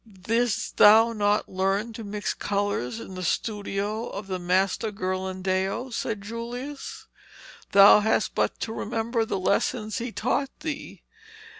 'Didst thou not learn to mix colours in the studio of Master Ghirlandaio?' said Julius. 'Thou hast but to remember the lessons he taught thee.